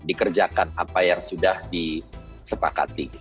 dikerjakan apa yang sudah disepakati